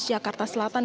di jakarta selatan